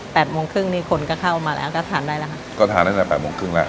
โมงครึ่งนี่คนก็เข้ามาแล้วก็ทานได้แล้วค่ะก็ทานตั้งแต่แปดโมงครึ่งแล้ว